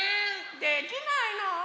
できないの？